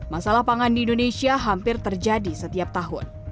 masalah pangan di indonesia hampir terjadi setiap tahun